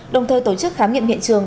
đồng thời tổ chức khám nghiệm hiện trường